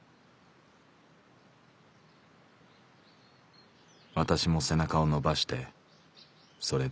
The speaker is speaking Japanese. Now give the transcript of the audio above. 「私も背中を伸ばしてそれでお終い」。